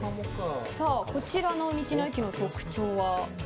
こちらの道の駅の特徴は？